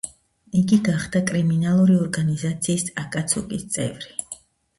იგი გახდა კრიმინალური ორგანიზაციის: აკაცუკის წევრი.